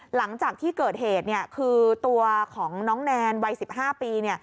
หลังจากที่เกิดเหตุคือตัวของน้องแนนวัย๑๕ปี